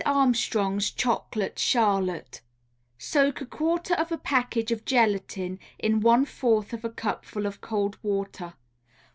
ARMSTRONG'S CHOCOLATE CHARLOTTE Soak a quarter of a package of gelatine in one fourth of a cupful of cold water.